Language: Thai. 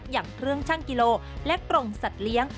อย่างเครื่องชั่งกิโลและกรงสัตว์เลี้ยง